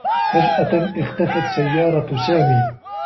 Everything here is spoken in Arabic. فجأة اختفت سيّارة سامي.